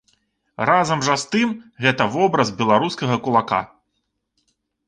Разам жа з тым гэта вобраз беларускага кулака.